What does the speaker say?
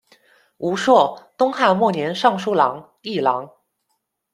吴硕，东汉末年尚书郎、议郎。